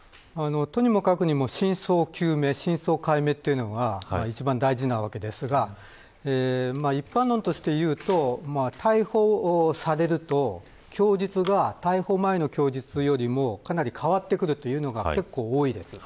とにもかくにも真相究明、真相解明というのが一番大事なわけですが一般論としていえば逮捕されると供述が逮捕前の供述よりも変わってくるというのが多いです。